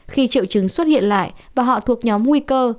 khi triệu chứng xuất hiện lại và họ thuộc nhóm nguy cơ